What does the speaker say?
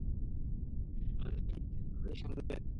আমি নিজের স্টাইলে ব্যাপারটা সামলে নিতাম।